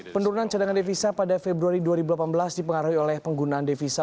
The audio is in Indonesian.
penurunan cadangan devisa pada februari dua ribu delapan belas dipengaruhi oleh penggunaan devisa